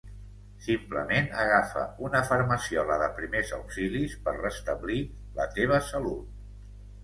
Simplement agafa una farmaciola de primers auxilis per restablir la teva salut.